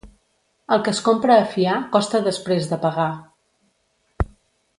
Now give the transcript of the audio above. El que es compra a fiar costa després de pagar.